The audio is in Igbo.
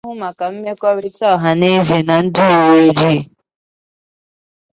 nwoke ahụ jiri ọnụ ya sàá asịsà na ya bụ onye otu nzuzo 'Vikings'